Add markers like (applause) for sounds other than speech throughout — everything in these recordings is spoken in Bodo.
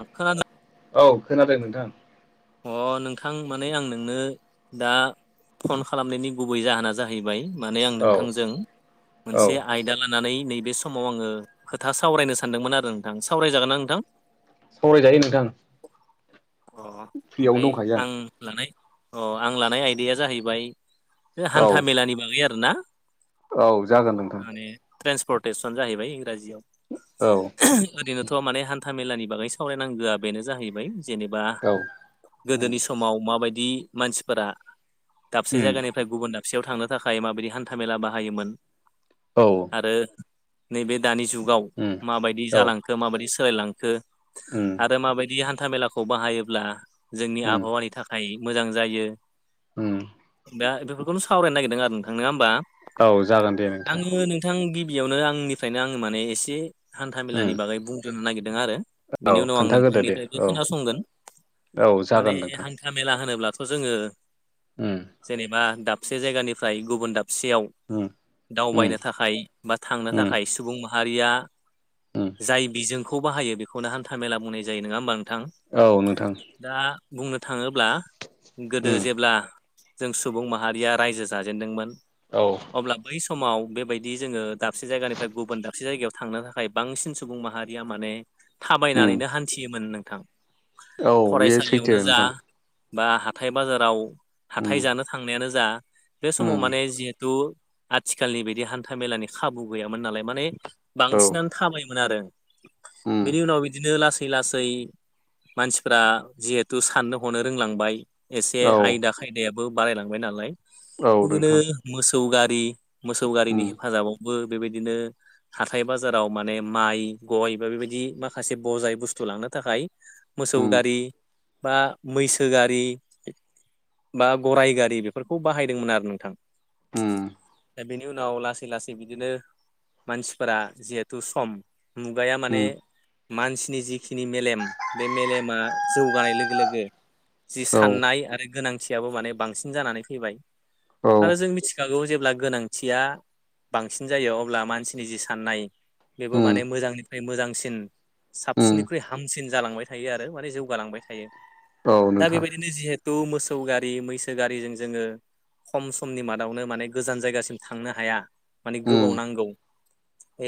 औ खोनादों औ खोनादों नोंथां। अ नोंथां माने आं नोंनो दा फन खालामनायनि गुबै जाहोना जाहैबाय माने आं औ नोंथांजों औ मोनसे आयदा लानानै नैबे समाव आङो खोथा सावरायनो सानदोंमोन आरो नोंथां। सावरायजागोन ना नोंथां सावरायजायो नोंथां। अ फ्रियावनो ओमफ्राय दंखायो आं लानाय अ आं लानाय आयदाया जाहैबाय बे हान्था औ मेलानि बागै आरोना औ जागोन नोंथां माने ट्रेन्सपर्रटेसन जाहैबाय इंराजियाव औ ओरैनोथ' माने हान्था मेलानि बागै सावरायनांगोआ बेनो जाहैबाय जेनेबा औ उम गोदोनि समाव माबायदि मानसिफोरा दाबसे उम जायगानि फ्राय गुबुन दाबसेयाव थांनो थाखाय माबायदि हान्था मेला बाहायोमोन औ आरो नैबे दानि जुगाव उम माबायदि औ जालांखो माबायदि सोलायलांखो उम आरो माबायदि हान्था मेलाखौ बाहायोब्ला जोंनि उम आबहावानि थाखाय मोजां जायो उम दा बेफोरखौनो सावरायनो नागिरदों आरो नोंथां नंङा होमबा औ जागोन दे नोंथां आङो नोंथां गिबियावनो आंनिफ्रायनो आंनो माने एसे हान्था मेलानि उम बागै बुंथ'नो नागिरदों आरो औ बिनि उनाव आं खोन्थाग्रोदो दे नोंथांनिफ्रायबो औ खोनासंगोन औ माने जागोन नोंथां हान्था मेला होनोब्लाथ' जोङो उम जेनेबा दाबसे जायगानिफ्राय गुबुन दाबसेयाव उम उम दावबायनो थाखाय बा थांनो उम थाखाय सुबुं माहारिया उम जाय बिजों खौ बाहायो बेखौनो हान्था मेला बुंनाय जायो नङा होमबा नोंथां औ नोंथां दा बुंनो थाङोब्ला गोदो उम जेब्ला जों सुबुं माहारिया रायजो जाजेनदोंमोन औ अब्ला बै समाव बेबायदि जोङो दाबसे जायगानिफ्राय गुबुन दाबसे जायगायाव थांनो थाखाय बांसिन सुबुं माहारिया माने उम थाबायनानैनो हान्थियोमोन नोंथां औ बेयो फरायसालियावनो सैथो जा नोंथां बा हाथाय बाजाराव उम हाथाय जानो थांनायानो जा बे उम समाव माने जिहेतु आथिखालनि बायदि हान्था मेलानि खाबु गैयामोन नालाय माने औ बांसिना थाबायोमोन आरो उम बेनि उनाव बिदिनो लासै लासै लासै मानसिफ्रा जिहेथु साननो हनो रोंलांबाय एसे औ आयदा खायदायाबो बारायलांबाय नालाय औ बिदिनो नोंथां मोसौ गारि मोसौ गारिनि उम हेफाजाबावबो बेबायदिनो हाथाय बाजाराव माने माइ गय बा बेबायदि माखासे बजाय बुस्थु लांनो थाखाय मोसौ उम गारि बा मैसो गारि बा गराइ गारि बेफोरखौ बाहायदोंमोन आरो नोंथां उम दा बेनि उनाव लासै लासै बिदिनो मानसिफोरा जिहेथु सम मुगाया माने उम मानसिनि जिखिनि मेलेम बे मेलेमा जौगानाय लो गो लोगो जि औ साननाय आरो गोनांथियाबो माने बांसिन जानानै फैबाय औ आरो जों मिथिखागौ जेब्ला गोनांथिया बांसिन जायो अब्ला मानसिनि जि साननाय बेबो उम माने मोजांनिफ्राय मोजांसिन उम साबसिननिख्रुइ हामसिन जालांबाय थायो आरो माने जौगालांबाय थायो औ दा नोंथां बेबायदिनो जिहेथु मोसौ गारि मैसो गारिजों जोङो खम समनि मादावनो माने गोजान जायगासिम थांनो हाया माने उम गोबाव नांगौ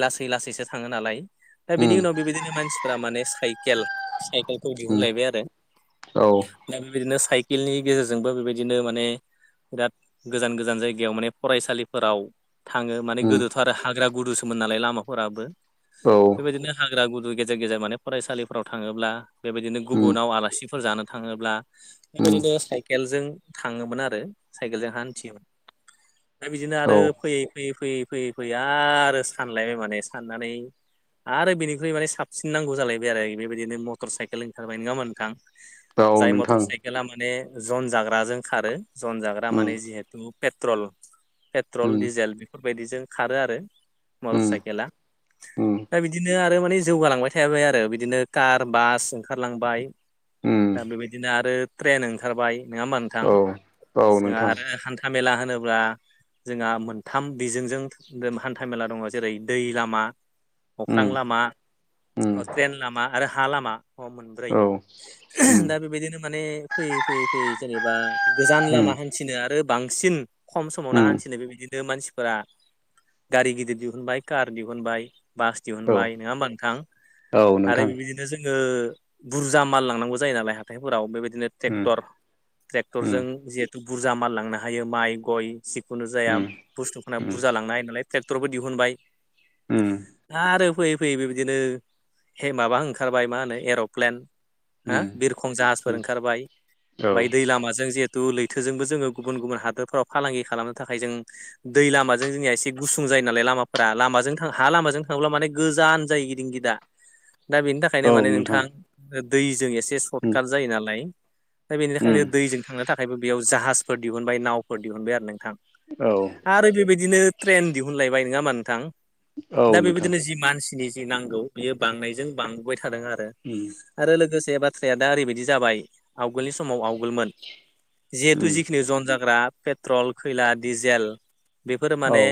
लासै लासैसो थाङो नालाय दा बिनि उम उनाव बेबायदिनो मानसिफोरा माने साइकेल साइकेलखौ उम दिहुनलायबाय आरो औ दा बेबायदिनो साइकेलनि गेजेरजोंबो बेबायदिनो माने बिराद गोजान गोजान जायगायाव माने फरायसालिफोराव थाङो माने उम गोदोथ' आरो हाग्रा गुदुसोमोन नालाय लामाफोराबो औ बेबायदिनो हाग्रा गुदु गेजेर गेजेर माने फरायसालिफोराव थाङोब्ला बेबायदिनो उम गुबुनाव आलासि फोर जानो थाङोब्ला उम बेबायदिनो साइकेलजों थाङोमोन आरो साइकेलजों हान्थियोमोन। दा बिदिनो आरो औ फैयै फैयै फैयै फैयै फैयै आरो सानलायबाय माने साननानै आरो बिनिख्रुइ माने साबसिन नांगौ जालायबाय आरो बेबायदिनो मटर साइकेल ओंखारबाय नङा होमबा नोंथां? औ जाय मटर नोंथां साइकेला माने जन जाग्राजों खारो जन जाग्रा उम माने जिहेतु पेट्रल पेट्रल उम डिजेल बेफोरबायदिजों खारो आरो मटर उम साइकेला उम दा बिदिनो आरो माने जौगालांबाय थायाबाय आरो बिदिनो कार बास ओंखारलांबाय। उम दा बेबायदिनो आरो ट्रेन ओंखारबाय नङा होमबा नोंथां औ औ जोंहा नोंथां आरो हान्था मेला होनोब्ला जोंहा मोनथाम बिजोंजों हान्था मेला दङ जेरै दै लामा अख्रां उम लामा उम ट्रेन लामा आरो हा लामा अ मोनब्रै औ। उम दा बेबायदिनो माने फैयै फैयै फैयै जेनेबा गोजान उम लामा हानथि हान्थिनो आरो बांसिन खम समावनो उम हान्थिनो बे बिदिनो मानसि फोरा गारि गिदिर दिहुनबाय कार दिहुनबाय बास औ दिहुनबाय नङा होमबा नोंथां? औ आरो नोंथां बेबायदिनो जोङो बुरजा माल लांनांगौ जायो नालाय हाथायफोराव बेबायदिनो उम टेक्टर उम ट्रेक्टरजों जिहेथु बुरजा माललांनो हायो माइ गय जिखुनु जाया। उम बुस्थुखौफोरखौ उम उम बुरजा लांनो नालाय ट्रेक्टरबो दिहुनबाय। उम आरो फैयै फैयै बेबदिनो माबा ओंखारबाय मा होनो एर'प्लेन हा उम बिरखं जाहाजफोर औ ओंखारबाय ओमफ्राय दै औ लामाजों जि दु लैथोजोंबो जोङो गुबुन गुबुन हादोरफोराव फालांगि खालामनो थाखाय जों दै लामाजों जोंनिया एसे गुसुं जायो नालाय लामाफोरा लामाजों हा लामाजों थांब्ला माने गोजान जायो। दिंगि दा दा बेनि थाखायनो माने नोंथां दैजों एसे सर्ट काट जायो नालाय। दा बेनिखायनो उम दैजों थांनो थाखायबो बेयाव जाहाजफोर दिहुनबाय नावफोर दिहुनबाय आरो नोंथां। औ। आरो बेबायदिनो ट्रेन दिहुनलायबाय नङा होबमा नोंथां? औ दा नोंथां बेबायदिनो जि मानसिनि जि नांगौ बियो बांनायजों बांबोबाय थादों आरो। उम आरो लोगोसे बाथ्राया दा ओरैबायदि जाबाय आवगोलनि समाव आवगोलमोन। जिहेथु जिखिनि जन जाग्रा पेट्रल खैला डिजेल बेफोरो औ माने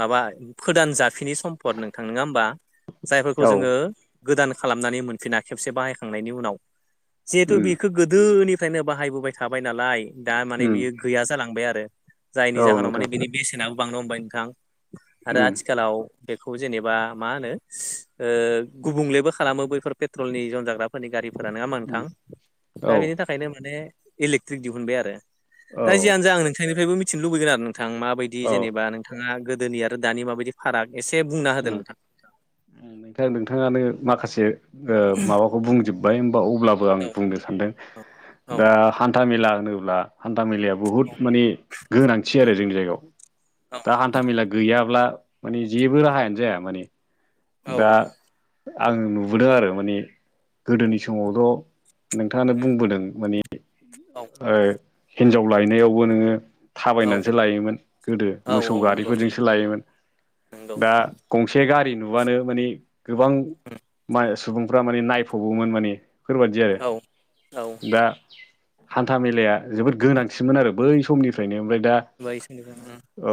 माबा फोदान जाफिनि सम्पद नोंथां नङा होमबा? जायफोरखौ औ जोङो गोदान खालामनानै मोनफिना खेबसे बाहायखांनायनि उनाव जिहेथु उम बेखौ गोदोनिफ्रायनो बाहायबोबाय थाबाय नालाय दा माने उम बियो गैया जालांबाय आरो। जायनि औ जाहोनाव नोंथां माने बिनि बेसेनाबो बांनो हमबाय नोंथां आरो उम आथिखालाव बेखौ जेनेबा मा होनो गुबुंलेबो खालामो बैफोर पेट्रल पेट्रलनि जन जाग्राफोरनि गारिफोरा नङा होनबा नोथां उम औ दा बेनि थाखाय। ओंखायनो माने इलेकट्रिक दिहुनबाय आरो। औ दा जियानो जा आं नोंथांनिफ्रायबो मिथिनो लुबैगोन आरो नोंथां माबायदि औ जेनेबा नोंथाङा गोदोनि आरो दानि माबायदि फाराग एसे बुंना होदो उम नोंथां। नोंथां नोंथाङानो माखासे माबाखौ बुंजोबबाय होमबा अब्लाबो आं बुंनो सानदों। औ औ दा हान्था मेला होनोब्ला हान्था मेलाया बुहुद माने गोनांथि आरो जोंनि जायगायाव। दा हान्था मेला गैयाब्ला माने जेबो राहायानो जाया माने। औ दा आं नुबोदों आरो माने गोदोनि समावथ' नोंथाङानो बुंबोदों मानि औ। हिन्जाव लायनायावबो नोङो औ औ थाबायनानैसो लायोमोन गोदो औ मोसौ औ नंगौ नोंथां गारिफोरजोंसो लायोमोन। नंगौ दा नोंथां गंसे गारि नुबानो मानि गोबां माय सुबुंफ्रा माने नायफबोमोन माने बेफोरबायदि आरो औ दा हान्था मेलाया जोबोद गोनांथिनमोन आरो बै समनिफ्रायनो ओमफ्राय दा (unintelligible) औ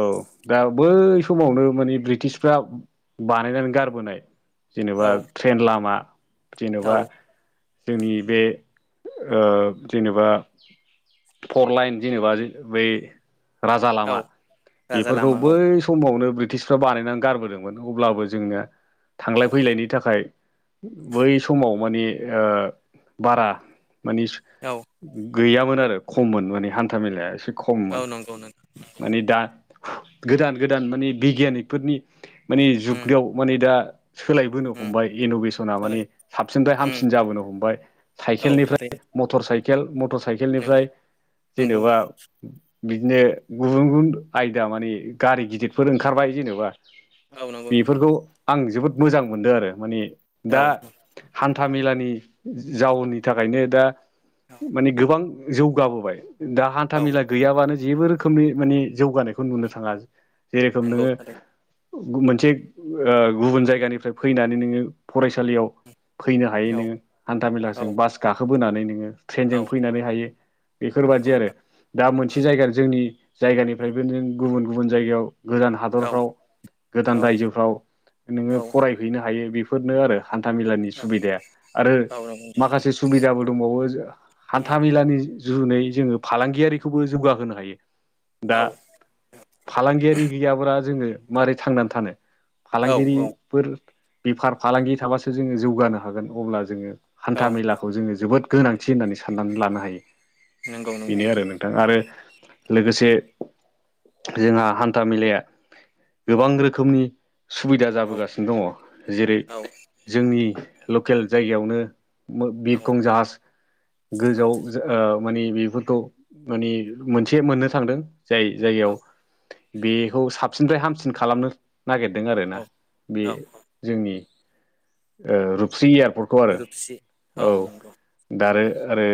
दा बै समावनो मानिे ब्रिटिसफ्रा बानायनानै गारबोनाय जेनेबा औ ट्रेन लामा जेनेबा औ जोंनि बे जेनेबा फर लाइन जेनेबा बै राजा लामा औ राजा बेफोरखौ लामा औ बै समावनो ब्रिटिश फोरा बानायनानै गारबोदोंमोन अब्लाबो जोंनिया थांलाय औ फैलायनि थाखाय बै समाव माने बारा माने औ गैयामोन आरो खममोन माने हान्था मेलाया एसे खममोन औ नंगौ नोंथां माने दा गोदान गोदान माने बिगियानिफोरनि माने उम जुगाव माने दा सोलायबोनो उम हमबाय इन'भेसना थारै माने साबसिननिफ्राय उम हामसिन जाबोनो हमबाय औ साइकेलनिफ्राय थारैनो मटर साइकेल मटर नंगौ साइकेलनिफ्राय नंगौ जेनेबा बिदिनो गुबुन गुबुन आयदा माने गारि गिदिरफोर ओंखारबाय जेनेबा औ नंगौ नोंथां बेफोरखौ आं जोबोद मोजां मोनदों आरो माने दा औ हान्था मेलानि जाउननि थाखायनो दा औ माने गोबां जौगाबोबाय दा हान्था औ मेला गैयाबानो जेबो रोखोमनि माने जौगानायखौ नुनो थाङा जेरोखम नंगौ नोङो थारै मोनसे गुबुन जायगानिफ्राय फैनानै नोङो फरायसालियाव फैनो हायो औ नोङो हान्था औ मेलाजों बास गाखोबोनानै नोङो ट्रेनजों औ फैनानै हायो बेफोरबादि नंगौ आरो नोंथां दा मोनसे उम जायगा जोंनि जायगानिफ्रायबो नों गुबुन गुबुन जायगायाव गोदान औ हादरफ्राव गोदान औ रायजोफ्राव नोङो औ फरायहैनो हायो बेफोरनो आरो हान्थाामेलानि सुबिदाया आरो औ नंगौ माखासे सुबिदाबो दंबावो हान्था नोंथां मेलानि जुनै जोङो फालांगियारिखौबो जौगाहोनो हायो दा उम औ फालांगियारि गैयाब्ला जोङो मारोरै थांनानै थानो औ फालांगिरि फोर बेफार फालांगि थाबासो जोङो जौगानो हागोन अब्ला जोङो औ हान्था मेलाखौ जोङो जोबोद गोनांथि होननानै साननानै लानो हायो नंगौ नंगौ बेनो आरो नोंथां नों थां आरो लोगोसे जोंहा हान्था मेलाया गोबां रोखोमनि सुबिदा औ जाबोगासिनो दङ जेरै औ जोंनि लकेल जायगायावनो बिरखं जाहाज गोजौआव माने बेफोरखौ माने मोनसे मोननो थांदों जाय औ जायगायाव बेखौ साबसिननिफ्राय हामसिन खालामनो नागिरदों आरोना औ बे औ जोंनि रुपस्रि एयारपर्ट रुपसि औ नंगौ दा आरो आरो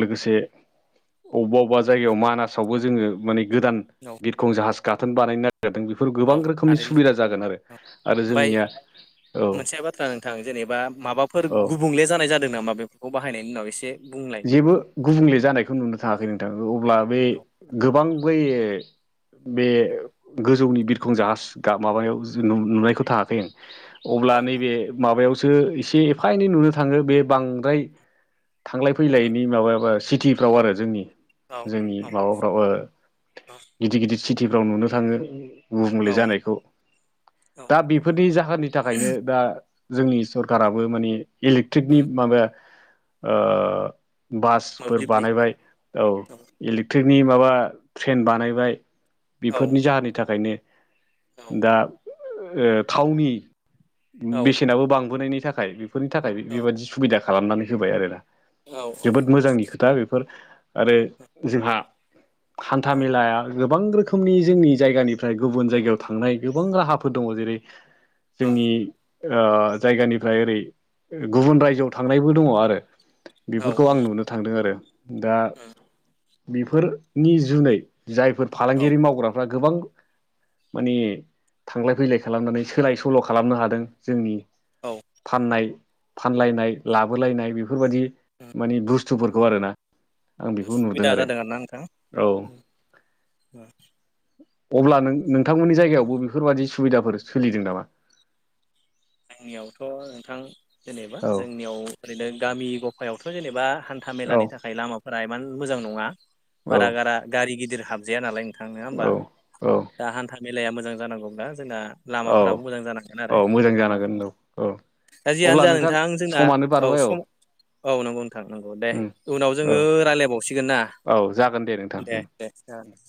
लोगोसे अबेबा अबेबा उम जायगायाव मानासावबो जोङो माने गोदान औ बिरखं जाहाज गाथोन बानायनाय जादों बेफोर औ गोबां रोखोमनि थारैनो सुबिदा जागोन आरो औ आरो जोंनिया औ फोरा नोंथां जेनेबा माबाफोर औ गुबुंले जानाय जादों नामा बेफोरखौ बाहायनायनि उनाव एसे बुंलाय जेबो बेखौबो गुबुंले जानायखौ नुनो थाङाखै नोंथां अब्ला बे औ गोबां बै बे गोजौनि बिरखं जाहाज माबायाव नुनायखौ थांङाखै आं अब्ला औ नैबे माबायाव ऐसा एनै नुनो थाङो बे बांद्राय थांलाय औ फैलायनि माबा सिटिफ्राव आरो जोंनि औ जोंनि औ माबाफ्राव गिदिर गिदिर सिटिफ्राव नुनो थाङो गुबुंले औ जानायखौ औ दा बेफोरनि जाहोननि थाखायनो दा जोंनि सरकाराबो माने इलेक्ट्रिकनि उम माबाया बासफोर मोब्लिबनि बानायबाय औ इलिक ट्रिकनि माबा ट्रेन बानायबाय औ बेफोरनि जाहोननि थाखायनो औ दा ओ थावनि औ बेसेनाबो बांबोनायनि थाखाय बेफोरनि थाखाय औ बेबायादि सुबिदा खालामनानै होबाय आरोना औ जोबोद मोजांनि खोथा बेफोर आरो जोंहा हान्था मेेलाया गोबां रोखोमनि जोंनि जायगानिफ्राय गुबुन जायगायाव थांनाय गोबां राहाफोर दङ जेरै जोंनि ओ जायगानिफ्राय ओरै गुबुन रायजोआव थांनायबो दङ आरो औ औ मोननो थांदों आरो दा बेफोरनि जुनै जायफोर औ फालांगियारि मावग्राफ्रा गोबां माने थांलाय फैलाय खालामनानै सोलाय सोल' खालामनो हादों जोंनि औ फाननाय फानलायनाय लाबोलायनाय बेफोरबायदि माने बुस्थुफोरखौ आरो ना आं बेखौ नुदों सुबिदा आरो जादों आरोना नोंथां औ अब्ला नों नोंथांमोननि जायगायावबो बेफोरबायाददि सुबिदाफोर सोलिदों नामा जोंनियावथ' नोंथां जेनेबा औ जोंनियाव ओरैनो गामि गफायावथ' जेनेबा हान्था मेलानि औ थाखाय लामाफोरा इमान मोजां नङा औ बारा गारा गारि गिदिर हाबजाया नालाय नोंथां नंङा होमबा औ औ दा हान्था मेलाया मोजां जानांगौब्ला जोंना औ लामाफोराबो मोजां जानागोन औ आरो मोजां लामा जानांगोन औ खालाम औ दा जियानो अब्ला जा नोंथां जोंना समानो औ बारबाय सम औ नंगौ नोंथां नंगौ दे उम उनाव औ जोंङो रायज्लायबावसिगोन ना औ जागोन दे नोंथां दा